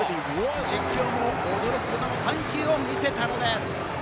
実況も驚くほどの緩急を見せたんです。